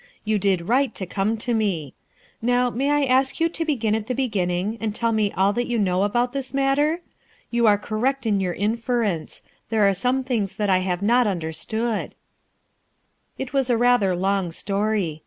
You did right to come to me. Now, may I ask you to begin at the beginning and tell me all that you know about this matter ? You are correct in your inference ; there are some things that I have not under stood," 203 nUXn EHSKINE'S SON It was rather a long story.